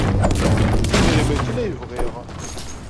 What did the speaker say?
D idrimen kan ay bɣiɣ.